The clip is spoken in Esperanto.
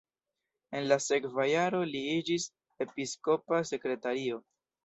En la sekva jaro li iĝis episkopa sekretario.